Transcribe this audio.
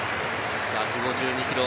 １５２キロ。